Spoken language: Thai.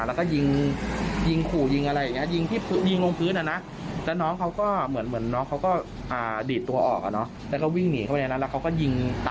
ดูสิลูกนอนในเปรย์อะไรแบบนี้นะ